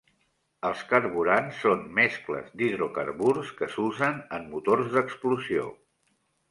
Els carburants són mescles d'hidrocarburs que s'usen en motors d'explosió.